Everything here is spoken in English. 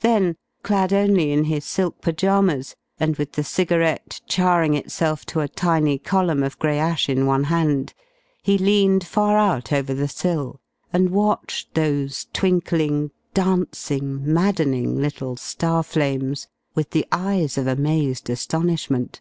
Then, clad only in his silk pyjamas, and with the cigarette charring itself to a tiny column of gray ash in one hand, he leaned far out over the sill and watched those twinkling, dancing, maddening little star flames, with the eyes of amazed astonishment.